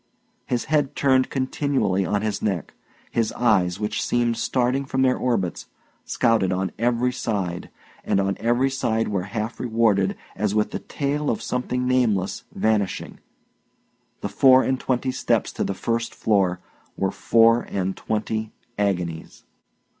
His head turned continually on his neck; his eyes, which seemed starting from their orbits, scouted on every side, and on every side were half rewarded as with the tail of something nameless vanishing. The four and twenty steps to the first floor were four and twenty agonies.